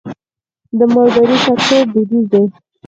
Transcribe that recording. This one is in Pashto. د مالدارۍ سکتور دودیز دی